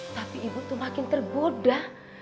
tapi ibu tuh makin tergoda